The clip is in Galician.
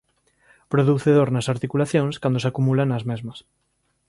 Produce dor nas articulacións cando se acumula nas mesmas.